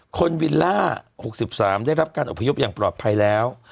วิลล่า๖๓ได้รับการอพยพอย่างปลอดภัยแล้ว